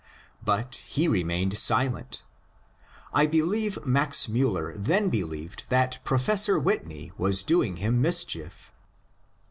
But he remained silent. I believe Max Miiller then believed that Professor Whitney was doing him mischief.